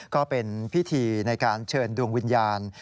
ก็เป็นพิธีในการเชิญดวงวิญญาณ